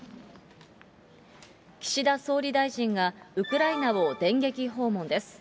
岸田総理大臣がウクライナを電撃訪問です。